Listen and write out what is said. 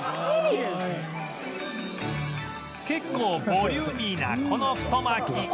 結構ボリューミーなこの太巻き